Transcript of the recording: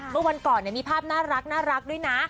เมื่อวันก่อนมีภาพน่ารักด้วยนะ